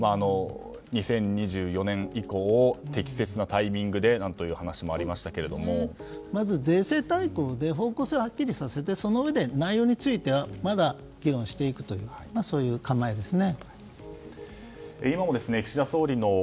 ２０２４年以降適切なタイミングでという話もまず、税制大綱で方向性をはっきりさせてそのうえで内容についてはまだ議論していくというそういう構えですね。